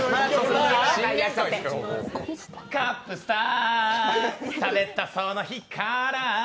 カップスター、食べたその日から